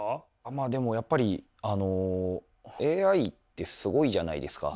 まあでもやっぱりＡＩってすごいじゃないですか。